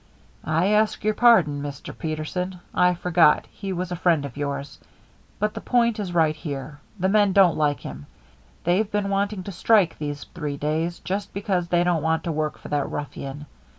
"I ask your pardon, Mr. Peterson. I forgot he was a friend of yours. But the point is right here. The men don't like him. They've been wanting to strike these three days, just because they don't want to work for that ruffian.